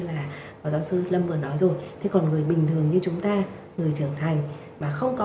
là phó giáo sư lâm vừa nói rồi thế còn người bình thường như chúng ta người trưởng thành mà không có